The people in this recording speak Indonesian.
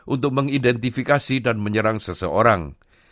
untuk mengidentifikasi dan menyerang seseorang